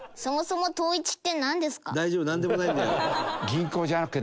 大丈夫なんでもないんだよ。